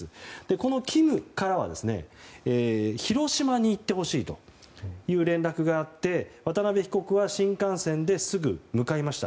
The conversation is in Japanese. このキムからは広島に行ってほしいという連絡があって渡邉被告は新幹線ですぐ向かいました。